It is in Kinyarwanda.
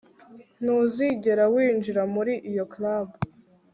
ntuzigera winjira muri iyo club